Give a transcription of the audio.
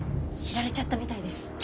知られちゃったみたいです。